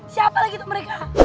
siapa lagi tuh mereka